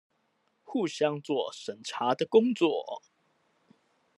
互相做審查的工作